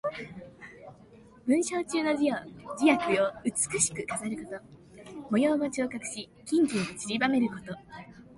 文章中の字や句を美しく飾ること。模様を彫刻し、金銀をちりばめること。